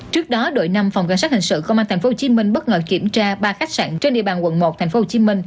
trước đó đội năm phòng cảnh sát hình sự công an tp hcm bất ngờ kiểm tra ba khách sạn trên địa bàn quận một tp hcm